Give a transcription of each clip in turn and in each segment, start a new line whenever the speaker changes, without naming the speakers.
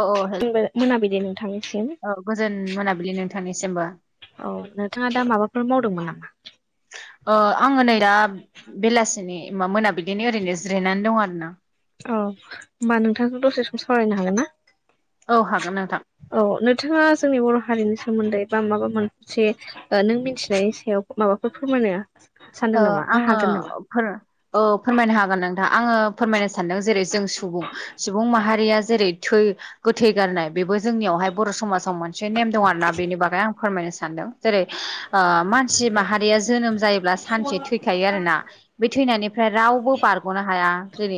औ औ हेल
मोनाबिलि नोंथांनिसिम।
औ गोजोन मोनाबिलि नोंथांनिसिमबो
औ नोंथाङा दा माबाफोर मावदोंमोन नामा?
आङो नै दा बेलासिनिा मोनाबिलिनि ओरैनो जायनानै दं आरो ना ‌।
औ होमबा नोंथांखौ दसे सम सावरायनो हागोन ना?
औ हागोन नोंथां।
औ नोंथाङा जोंनि बर' हारिनि सोमोन्दै बा माबा मोनसे नों मिन्थिनायनि सायाव माबाफोर फोरम
आङो फोरो ओ फोरमायनो हागोन नोंथां आङो फोरमायनो सानदों जेरै जों सुबुं सुबुं माहारिया जेरै थै गोथै गारनाय बेबो जोंनियावहाय बर' समाजाव मोनसे नेम दं आरोना बेनि बागै आं फोरमायनो सानदों। जेरै मानसि माहारिया जोनोम जायोब्ला सानसे थैखायो आरोना। बे थैनायनिफ्राय रावबो बारग'नो हाया जों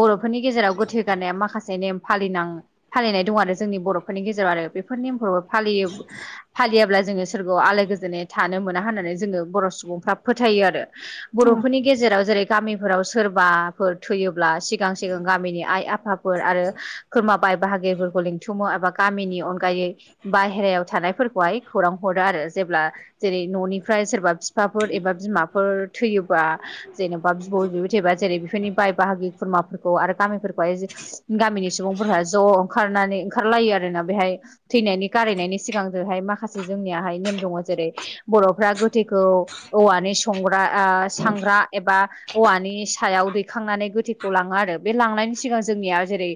बर'फोरनि गेजेराव गोथै गारनाया माखासे नेम फालिनां फालिनाय दं आरो जोंनि बर'फोरनि गेजेराव आरो बेफोर नेयमखौबो फालियो फालियाब्ला जोङो सोरगआव आलो गोजोनै थानो मोना होननानै जोङो बर' सुबुंफ्रा फोथायो आरो
औ
बर'फोरनि गेजेराव जेरै गामिफोराव सोरबाफोर थैयोब्ला सिगां सिगां गामिनि आइ आफा फोर आरो खोरमाबाय बाहागिफोरखौ लिंथुमो एबा गामिनि अनगायै बाहेरायाव थानायफोरखौहाय खौरां हरो आरो जेब्ला जेरै न'निफ्राय सोरबा बिफाफोर एबा बिमाफोर थैयोबा जेन'बा बिब' बिबाय थायोबा जेरै बेफोरनि बाय बाहागि खुरमाफोरखौ आरो गामिफोरखौहाय गामिनि सुबुंफोरहा ज' ओंखारनानै ओंखारलायो आरोना बेहाय थैनायनि गारायनायनि सिगां जहाय माखासे जोंनियाहाय नेम दङ जेरै बर'फ्रा गोथैखौ औवानि संग्रा सग्रा एबा औवानि सायाव दैखांनानै गोथैखौ लाङो आरो बे लांनायनि सिगां जोंनिया जेरै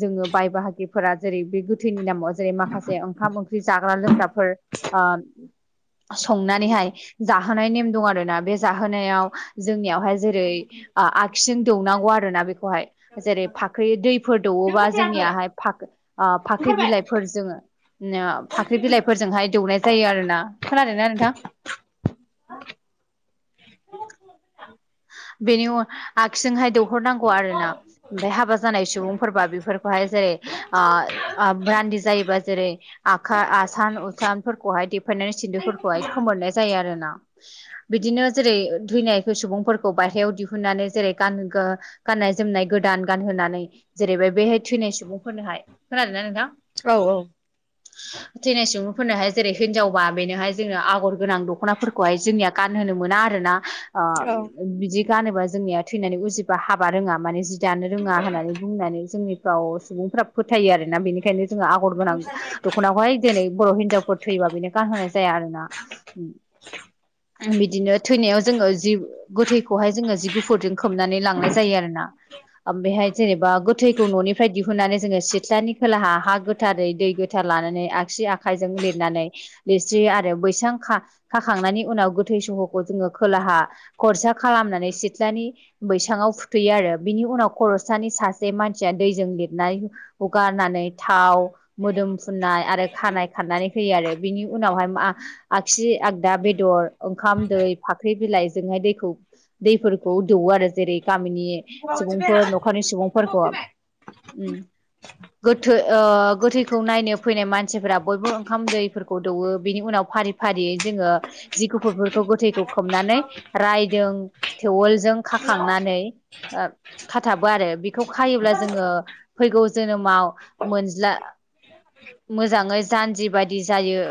जोङो बाय बाहागिफोरा जेरै बे गोथैनि नामाव जेरै माखासे ओंखाम ओंख्रि जाग्रा लोंग्राफोर ओ संनानैहाय जाहोनायनि नेम दं आरोना बे जाहोनायाव जोंनियावहाय जेरै आगसिं दौनांगौ आरोना बेखौहाय जेरै फाख्रि दैफोर दौवोबा जोंनियाहाय्रि फाख्रि बिलाइफोर जोङो फाख्रि बिलाइफोरजोंहाय दौनाय जायो आरो ना खोनादों ना नोंथां बेनि आगसिजोंहाय दौहरनांगौ आरोना ओमफाय हाबा जानाय सुबुंफोरबा बेफोरखौहाय जेरै रान्दि जायोबा जेरै आ आसान उसानफोरखौहाय देफायनानै सिन्दुरफोरखौहाय खोमोरनाय जायो आरोना बिदिनो जेरै थैनायखै सुबुंफोर खौ बायहायाव दिहुननानै जेरै गान गाननाय जोमनाय गोदान गानहोनानै जेरैबाय बेहाय थैनाय सुबुंफोरनोहाय खोनादों ना नोंथां
औ-औ
थैनाय सुबुंफोरनोहाय जेरै हिनजावबा बेनोहाय जोंनो आगर गोनां दख'नाफोरखौहाय जोंनिया गानहोनो मोना आरोना
औ
बिदि गानोबा जोंनिया थैनानै उजिबा हाबा रोङा माने जि दानो रोङा होननानै बुंनानै जोंनि याव सुबुंफ्रा फोथायो आरोना बेनिखायनो जोङो आगर गोनां दख'नाखौहाय दिनै बर' हिनजावफोर थैयोबा बेनो गानहोनाय जाया आरोना बिदिनो थैनायाव जोङो जि गोथैखौहाय जोङो जि गुफुरजों खोबनानै लांनाय जायो आरो ना बेहाय जेनेबा गोथैखौ न'निफ्राय दिहुननानै जोङो सिथ्लानि खोलाहा हा गोथारै दै गो थार लानानै आगसि आखाइजों लिरनानै लिरस्रि आरो बैसां खाखांनायनि उनाव गोथै सहखौ जोङो खोलाहा खरसा खालामनानै सिथ्लानि बैसाङाव फुथैयो आरो बिनि उनाव खर'सानि सासे मानसिया दैजों लिरनाय हुगारनानै थाव मोदोम फुननाय आरो खानाय खानानानै होयो आरो बिनि उनावहाय मा आग्सि आगदा बेदर ओंखाम दै फाख्रि बिलाइ जोंहाय दैखौ दैफोरखौ दौवो आरो जेरै गामिनि सुबुंफोर न'खरनि सुबुंफोरखौ ओम गोथै गोथैखौ नायनो फैनाय मानसिफोरा बयबो ओंखाम दैफोरखौ दौवो बिनि उनाव फारि फारियै जोङो जि गुफुरफोरखौ गोथैखौ खोबनानै रायदों थेवोलजों खाखांनानै खाथाबो आरो बेखौ खायोब्ला जोङो फैगौ जोनोमाव मोनज्ला मोजाङै जानजि बायदि जायो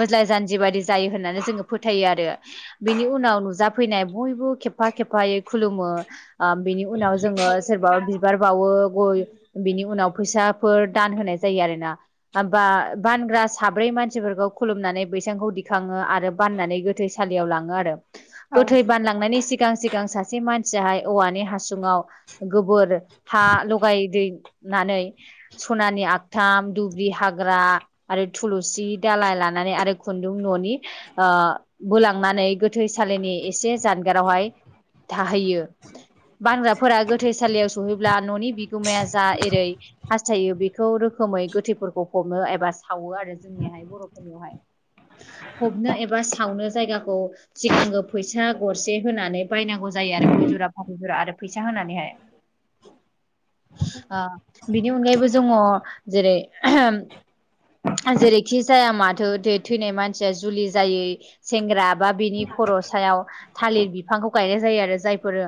मोज्लाय जानजि बाददि जायो होननानै जोङो फोथायो आरो बिनि उनाव जाफैनाय बयबो खेबफा खेबफायै खुलुमो बिनि उनाव जोङो सोरबा बिबार बावो गय बिनि उनाव फैसाफोर दान होनाय जायो आरोना बानग्रा साब्रै मानसिफोरखौ खुलुमनानै बैसांखौ दिखाङो आरो बाननानै गोथ गोथैसालियाव लाङो आरो गोथै बान थांनायनि सिगां सिगां सासे मानसियाहाय औवानि हासुङाव गोबोर हा लगाय दैनानै सनानि आगथाम दुब्रि हाग्रा आरो थुलुसि दालााय लानानै आरो खुन्दुं न'नि बोलांनानै गोथैसालिनि एसे जानगारावहाय थाहैयो बांग्राफोरा गोथैसालियाव सहैब्ला न'नि बिगोमाया जा एरै हास्थायो बेखौ रोखोमै गोथैफोरखौ हमो एबा सावो आरो जोंनिहाय बर'फोरनियावहाय हबनो एबा सावनो जायगाखौ सिगांनो फैसा गरसे होनानै बायनांगौ जायो आरो गय जरा फाथै जरा आरो फैसा होनानैहाय बिनि अनगायैबो जोङ जेरै जेरैखि जाया माथो थैनाय मानसिया जुलि जायै सेंग्रा बा बिनि खरस थ बिफांखौ गायनाय जायो आरो जायफोर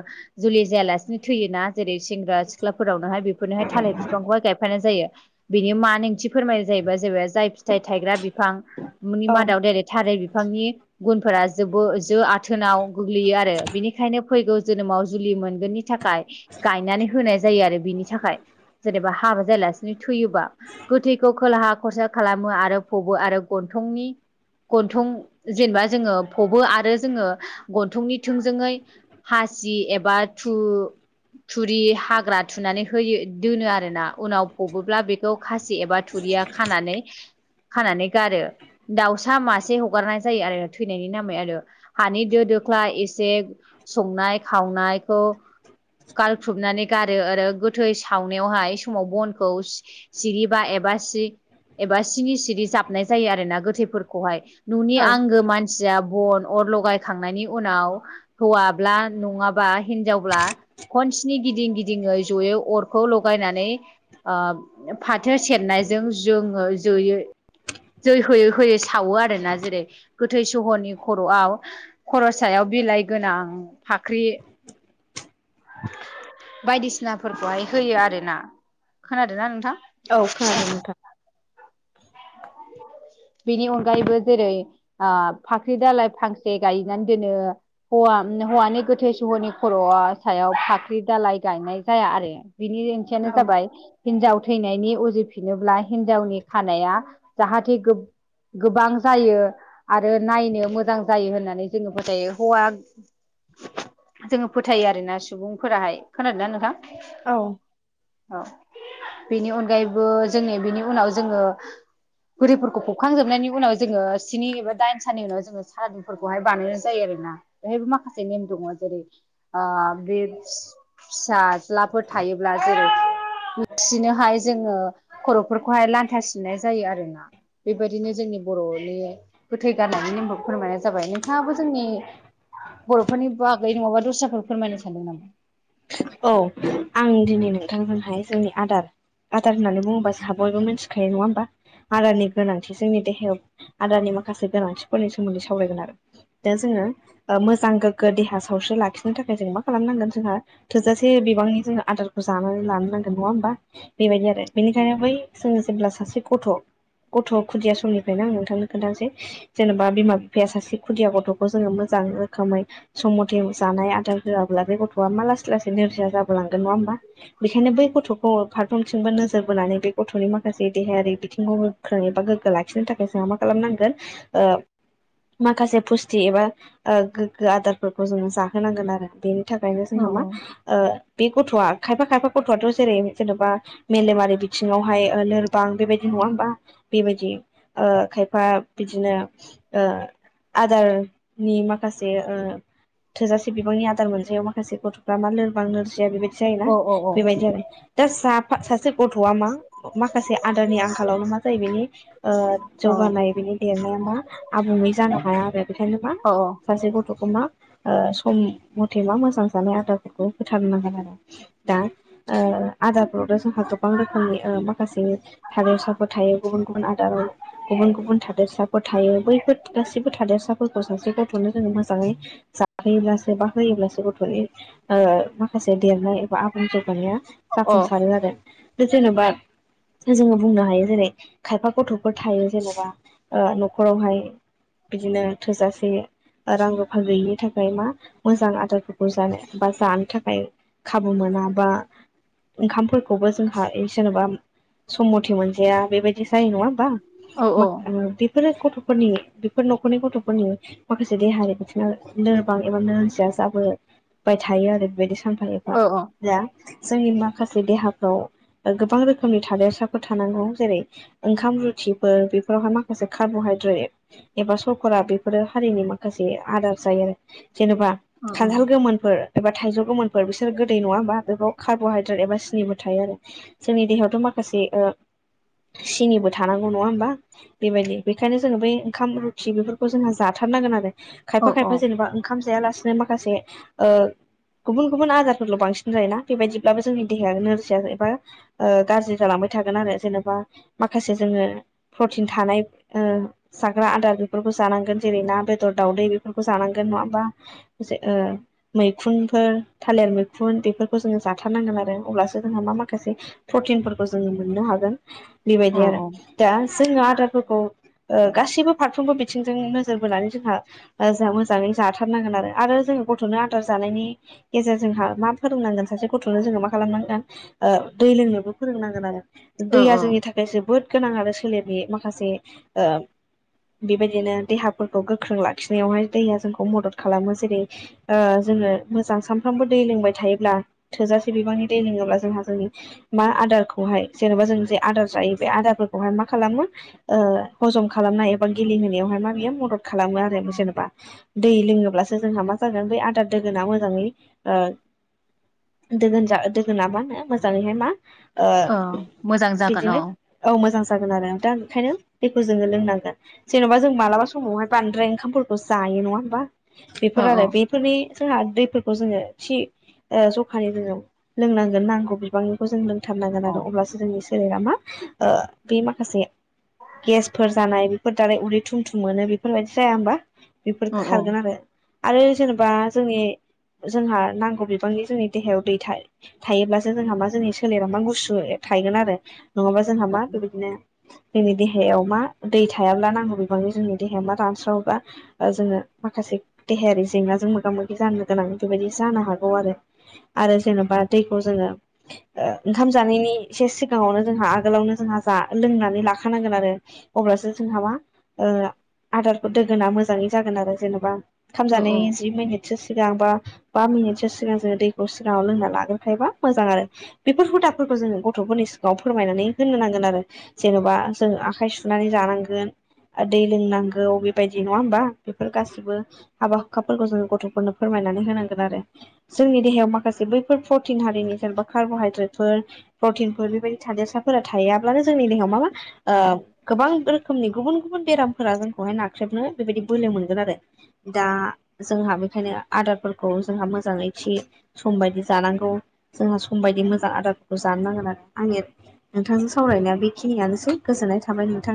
जुलि जायालासिनो थैयोना जेरै सेंग्राख सिख्लाफोरावनोहाय बेफोरनोहाय थालिर बिफांखौहाय गायफानाय जायो बेनि मा नोंथि फोरमायनाय जायोबाय जेबोबाय जाय फिथाइ थाइग्रा बिफांनि
औ
मादाव डाइरेक्ट थारै बिफांनि गुनफोरा जो ज आ जोथोनाव गोग्लैयो आरो बिनिखायनो फैगौ जोनोमाव जुलि मोनगोननि थाखाय गायनानै होनाय जायो आरो बिनि थाखाय जेनेबा हाबा जायालासिनो थैयोबा गोथैखौ खोलाहा खरसा खालामो आरो फबो आरो गन्थंनि गन्थं जेनेबा जोङो फबो आरो जोङो गन्थंनि थोंजोङै हासि एबा थु थुरि हाग्रा थुनानै होयो दोनो आरो ना उनाव फबोब्ला बे खौ खासि एबा थुरिया खानानै खानानै गारो दाउसा मासे हगारनाय जायो आरो थैनायनि नामै आरो हानि दो दोख्ला एसे संनाय खावनायखौ गारख्रुबनानै गारो आरो गोथै सावनायावहाय समाव बनखौ सिरि बा एबा सि एबा स्नि सिरि जाबनाय जायो आरो ना गोथैफोरखौहाय न'नि
औ
आंगो मानसिया बन अर लगायखांनायनि उनाव हौवाब्ला नङाबा हिनजावब्ला खनसनि गिदिं गिदिङै जयै अरखौ लगायनानै फाथो सेरनायजों जोङो जयो जै होयै होयै सावो आरोना जेरै गोथै सहरनि खर'आव खर' सायाव बिलाइ गोनां फाख्रि बायदिसिनाफोरखौहाय होयो आरोना खोनादों ना नोंथां
औ खोनादों नोंथां
बेनि अनगायैबो जेरै फाख्रि दलाइ फांसे गायनानै दोनो हौवा हौवानि गोथै सहरनि खर' सायाव फाख्रि दालइ गायनाय जाया आरो बिनि ओंथियानो
औ
जाबाय हिनजाव थैनायनि उजिफिनोब्ला हिनजावनि खानाया जाहाथे गोबां जायो आरो नायनो मोजां जायो होननानै जोङो फोथायो हौवा जोङो फोथायो आरोना सुबुंफोराहाय खोनादों ना नोंथां
औ
औ बेनि अनगायैबो जोंनि बेनि उनाव जोङो बुरिफोरखौ खुखांजोबनायनि उनाव जोङो स्नि एबा दाइनथानि उनाव जोङो सारादुफोरखौहाय बानायनाय जायो आरोना बेहायबो माखासे नेम दङ जेरै बे फिसाज्लाफोर थायोब्ला जेरै बिसिनोहायो जोङो खर'फोरखौहाय लान्था सिननाय जायो आरोना। बेबायदिनो जोंनि बर'नि गोथै गारनायनि नेमखौ फोरमायनाय जाबाय नोंथाङाबो जोंनि बर'फोरनि बागै नङाबा दस्राफोर फोरमायनो सानदों नामा?
औ आं दिनै नोंथांजोंहाय जोंनि आदार आदार होननानै बुङोबा, जोंहा बयबो मिन्थिखायो नङा होमबा? आदारनि गोनांथि जोंनि देहायाव आदानि माखासे गोनांथिफोरनि सोमोन्दै सावरायगोन आरो दा जोङो ओ मोजां गोग्गो देहा सावस्रि लाखिनो थाखाय जों मा खालामनांगोन जोंहा थोजासे बिबांनि जोङो आदारखौ जानानै लानो नांगोन नङा होमबा बेबायदि आरो बेनिखायनो बै जोङो जेब्ला सासे गथ' गथ' खुदिया समनिफ्रायनो आं नोंथांनो खोन्थानोसै जेनेबा बिमा बिफाया सासे खुदिया गथ'खौ जोङो मोजां रोखोमै सम मथे जानाय आदार होआाबला बे गथ'आ मा लासै लासै नोरजिया जाबो लांगोन नङा होमबा बेखायनो बै गथ'खौ फारफ्रोमथिंबो नोजोर बोनानै बे गथ'नि माखासे देहायारि बिथिंखौबो गोख्रोै एबा गोग्गो लाखिनो थाखाय जोंहा मा खालामनांगोन ओ माखासे फुस्ति एबा गोग्गो आदारफोरखौ जोङो जाहोनांगोन आरो बे थाखायनो
औ
जोंहा मा ओ बे गथ'आ खायफा खायफा गथ'आथ' जेरै जेनेबा मेलेमारि बिथिङावहाय ओ लोरबां बेबायदि नङा होमबा बेबायदि ओ खायफा बिदिनो ओ आदारनि माखासे ओ थोजासे बिबांनि आदार मोनजायाव माखासे गथ'फ्रा मा लोरबां नोरजिया बेबायदि जायोना
औ औ औ
बेबायदि आरो। दा जाफा सासे गथ'आ मा माखासे आदारनि आंखालावनो मा जायो? बेनि ओ जौगानाय बिनि देरनाया मा आबुङै जानो हाया आरो बेखायनो मा?
औ
सासे गथ'खौ मा? सम मथे मा मोजां जानाय आदार बेखौ होथार नांगोन आरो दा ओ आदारफ्रावनो जोंहा गोबां रोखोमनि माखासे थादेरसाफोर थायो गुबुन गुबुन आदाराव। गुबुन गुबुन थादोरसाफोर थायो बैफोर गासिबो थादोरसाफोरखौ सासे ग गथ'नो जोङो मोजाङै जाहोयोब्लासो बा होयोब्लासो गथ'नि माखासे देरनाय एबा आबुं जौगानाया
औ
जाफुंसारो आरो बे जेनेबा जोङो बुंनो हायो जेरै खायफा गथ'फोर थायो जेन'बा ओ न'खरावहाय। बिदिनो थोजासे रां रुफा गैयिनि थाखाय मा मोजां आदारफोरखौ जानो बा जानो थाखाय खाबु मोना बा ओंखामफोरखौबो जोंहा जेन'बा सम मथे मोनजाया बेबायदि जायो नङा होमबा।
औ औ
[unintelligible] बेफोरो गथ'फोरनि बेफोर न'खरनि गथ'फोरनि माखासे देहायारि लोरबां एबा नोरजिया जाबो। बाय थायो आरो बेबायदि सानफा
ओ
एफा
ओ
दा जोंनि माखासे देहाफ्राव गोबां रोखोमनि थादेरसाफोर थानांगौ। जेरै ओंखाम रुथिफोर बेफोरावहाय माखासे कार्ब'हाइद्रेट एबा सख'रा बेफोरो हारिनि माखासे आदार जायो। आरो जेनेबा
ओ ओ
खान्थाल गोमोन एबा थाइजौ गोमोनफोर बिसोर गोदै नङा होमबा बेफोराव कार्ब'हाइद्रेट एबा सिनिबो थायो आरो। जोंनि देहायावथ' माखासे ओ सिनिबो थानांगौ नङा होमबा? बेबायदि बेखायनो जोङो बै ओंखाम रुथि बेफोरखौ जोंहा जाथारनांगोन आरो।
औ
खायफा
औ
खायफा जेनेबा ओंखाम जायालासिनो माखासे ओ गुबुन गुबुन आजारफोरल' बांसिन जायोना बेबायदिब्लाबो जोंनि देहाया नोरजिया एबा ओ गाज्रि जालांबाय थागोन आरो जेनेबा माखासे जोङो प्रटिन थानाय ओ जाग्रा आदार बेफोरखौ जानांगोन जेरै ना बेदर दावदै बेफोरखौ जानांगोन नङा ओमबा? जे ओ। मैखुनफोर थालिर मैखुन बेफोरखौ जोङो जाथारनांगोन आरो अब्लासो जोंहा मा माखासे प्रटिनफोरखौ जोङो मोननो हागोन
औ
बेबायदि आरो। दा जोङो आद्राफोरखौ गासैबो फारफ्रोमबो बिथिंजों नोजोर बोनानै जोंहा। जोंहा मोजाङै जाथारनांगोन आरो आरो जोङो गथ'नो आदार जानायनि गेजेर जोंहा मा फोरोंनांगोन सासे गथ'नो जोङो मा खालामनांगोन ओ दै लोंनोबो फोरोंनांगोन आरो
औ
दैया
औ
जोंनि था खाय जोबोद गोनां आरो सोलेरनि माखासे ओ बेबायदिनो देहाफोरखौ गोख्रों लाखिनायावहाय दैया जोंखौ मदद खालामो जेरै ओ जोङो मोजां सानफ्रामबो दै लोंबाय थायोब्ला थोजासे बिबांनि दै लोङोब्ला जोंहा जोंनि मा आदारखौहाय जेनेबा जों जे आदार जायो बे आदारफोरखौहाय मा खालामो ओ हजम खालामनाय एबा गेलेहोनायावहाय मा बियो मदद खालामो आरो जेनेबा दै लोङोब्लासो जोंहा मा जागोन बै आदार दोगोना मोजाङै ओ दोगोन दोगोना मा होनो मोजाङैहाय मा ओ
औ मोजां जागोन औ
बिदिनो औ मोजां जागोन आरो दा ओंखायनो बेखौ जोङो लोंनांगोन जेन'बा जों मालाबा समावहाय बांद्राय ओंखामफोरखौ जायो नङा होमबा
औ
बेफोर आरो बे फोरनि जोंहा दैफोरखौ जोङो थि ओ जखानि जोङो लोंनांगोन नांगौ बिबांनिखौ जों
औ
लोंथारनांगोन आरो अब्लासो जोंनि सोलेरा मा ओ बे माखासे गेसफोर जानाय बेफोर दाराय उदै थुमथुम मोनो बेफोरबायदि जाया होमबा बेफोर
औ
खारगोन आरो आरो जेनेबा जोंनि जोंहा नांगौ बिबांनि जोंनि देहायाव दैथाय थायोब्लासो जोंहा मा जोंनि सोलेरा मा गुसु थायोगोन आरो नङाबा जोंहा मा बेबायदिनो जोंनि देहायाव मा दै थायाब्ला नांगौ बिबांजों जोंनि देहाया मा रानस्रावोबा ओ जोङो माखासे देहायारि जेंना जों मोगा मोगि जानो गोनां बेबायदि जानो हागौ आरो आरो जेन'बा दैखौ जोङो ओंखाम जानायनि एसे सिगाङावनो जोंहा आगोलावनो जोंहा जा लोंनानै लाखानांगोन आरो अब्लासो जोंहा ओ मा आदारखौ दोगोना मोजाङै जागोन आरो जेनेबा खाम
औ
जानायनि [unintelligible] जि मिनिटसो सिगां बा बा मिनिटसो सिगां जोङो दैखौ सिगाङाव लोंना लाग्रोनखायोबा मोजां आरो बेफोर हुदाफोरखौ जोङो गथ'फोरनि सिगाङाव फोरमायनानै होननो नांगोन आरो जेन'बा जों आखाइ सुनानै जानांगोन दै लोंनांगौ बेबायदि नङा होमबा बेफोर गासिबो हाबा हुखा फोरखौ जों गथ'फोरनो फोरमायनानै होनांगोन आरो जोंनि देहायाव माखासे बैफोर प्रटिन हारिनि जेनेबा कार्ब'हाइद्रेटफोर प्रटिनफोर बेबायदि थादेरसाफोरा थायाब्लानो जोंनि देहायाव मा मा
औ
ओ गोबां रोखोमनि गुबुन गुबुन बेराम फोर जोंखौहाय नाख्रेबनो बेबायदि बोलो मोनगोन आरो दा जोंहा बेखायनो आदारफोरखौ जोंहा मोजाङै थि समबायदि जानांगौ जोंहा समबायदि मोजां आदारफोरखौ जानो नांगोन आंनि नोंथांजों सावरायनाया बेखिनियानोसै गोजोननाय थाबाय नोंथां